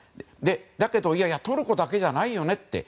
だけど、いやいやトルコだけじゃないよねって。